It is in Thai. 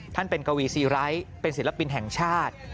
ท่านเป็นกวีซีไร้เป็นศิลปินแห่งชาติ